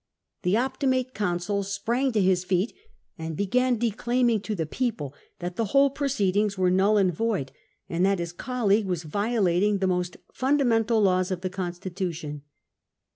The Optimaic consul sprang to his feet, and began declaiming to the people that the whole proceedings were null and void, and that his colleague was violating the most fundamental laws of the constitution.